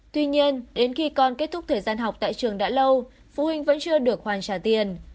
tuy nhiên đến khi con kết thúc thời gian học tại trường đã lâu phụ huynh vẫn chưa được hoàn trả tiền